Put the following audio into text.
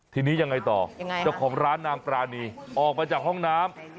ทีนี้ยังไงต่อยังไงครับชราบของร้านนางปรานีออกมาจากห้องน้ำ